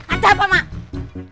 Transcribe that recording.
ada apa mak